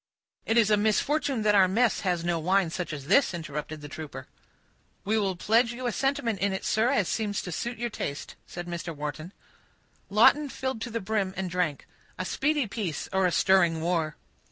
"It is a misfortune that our mess has no such wine as this," interrupted the trooper. "We will pledge you a sentiment in it, sir, as it seems to suit your taste," said Mr. Wharton. Lawton filled to the brim, and drank, "A speedy peace, or a stirring war."